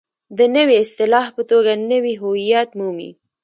د نوې اصطلاح په توګه نوی هویت مومي.